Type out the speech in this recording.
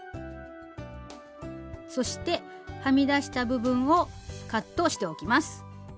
そしてはみ出した部分をカットしておきます。